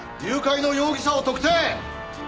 誘拐の容疑者を特定！